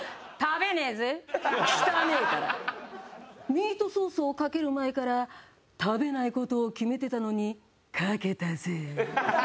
ミートソースをかける前から食べない事を決めてたのにかけたぜ。